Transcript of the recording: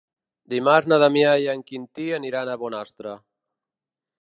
Dimarts na Damià i en Quintí aniran a Bonastre.